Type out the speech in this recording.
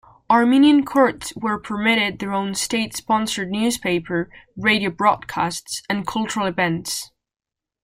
Armenian Kurds were permitted their own state-sponsored newspaper, radio broadcasts and cultural events.